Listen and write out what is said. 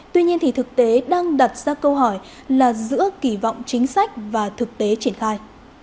tuy nhiên thì thực tế đang đặt ra câu hỏi là giữa kỳ vọng chính sách và thực tế triển khai